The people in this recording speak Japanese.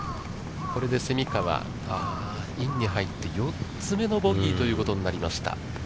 これで蝉川、インに入って４つ目のボギーということになりました。